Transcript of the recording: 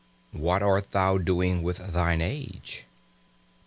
What art thou doing with thine age?"